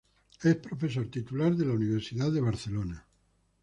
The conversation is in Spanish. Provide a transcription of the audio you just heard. Es profesor titular de la Universidad de Barcelona.